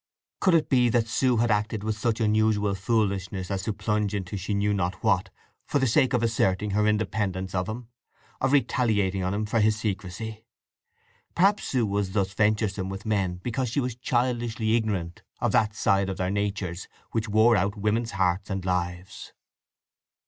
Could it be that Sue had acted with such unusual foolishness as to plunge into she knew not what for the sake of asserting her independence of him, of retaliating on him for his secrecy? Perhaps Sue was thus venturesome with men because she was childishly ignorant of that side of their natures which wore out women's hearts and lives.